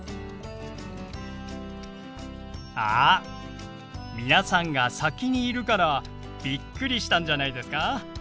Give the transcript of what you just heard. あ皆さんが先にいるからびっくりしたんじゃないですか？